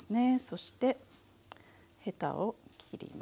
そしてヘタを切ります。